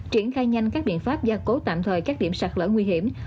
triển khai nhanh các biện pháp gia cố tạm thời các điểm sạt lỡ nguy hiểm